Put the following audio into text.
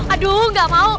aduh gak mau